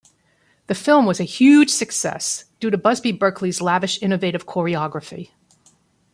The film was a huge success due to Busby Berkeley's lavish innovative choreography.